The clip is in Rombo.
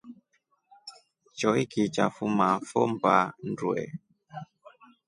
Choiki cha fuma fo mbaa ndwe.